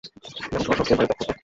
যেমন সশব্দে বায়ু ত্যাগ করত।